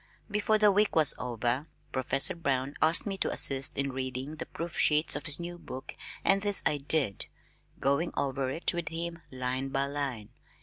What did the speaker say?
Before the week was over, Professor Brown asked me to assist in reading the proof sheets of his new book and this I did, going over it with him line by line.